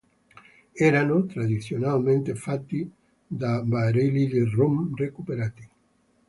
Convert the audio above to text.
Erano tradizionalmente fatti da barili di rum recuperati.